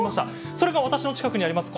それが私の近くにあります